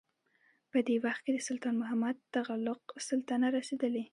په دې وخت کې د سلطان محمد تغلق سلطه رسېدلې.